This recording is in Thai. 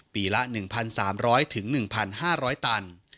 ปีละ๑๐๐๐ถึง๑๕๐๐ตัน